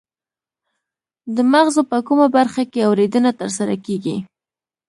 د مغزو په کومه برخه کې اوریدنه ترسره کیږي